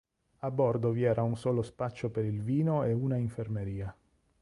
A bordo vi era un solo spaccio per il vino e una infermeria.